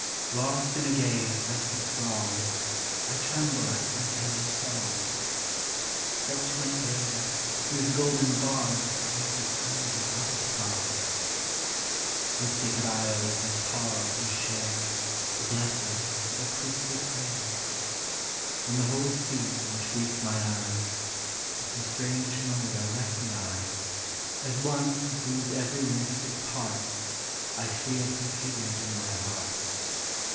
Lost in a gay and festal throng, I tremble at some tender song, — Set to an air whose golden bars I must have heard in other stars. In sacred aisles I pause to share The blessings of a priestly prayer — When the whole scene which greets mine eyes In some strange mode I recognize As one whose every mystic part I feel prefigured in my heart. 304 POEMS OF SENTIMENT.